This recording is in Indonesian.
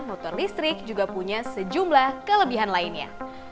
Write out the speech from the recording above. motor listrik juga punya sejumlah kelebihan lainnya